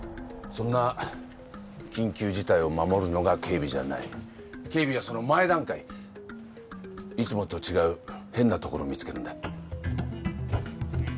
そんな緊急事態を守るのが警備じゃない警備はその前段階いつもと違う変なところ見つけるんだ